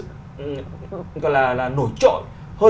nói gọi là nổi trội